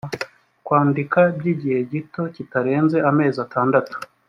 kwandika by igihe gito kitarenze amezi atandatu